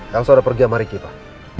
elsa udah pergi sama ricky pak